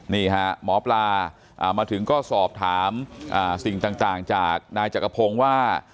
นี่ฮะหมอปลามาถึงก็สอบถามสิ่งต่างจากนายจักรพงศ์ว่า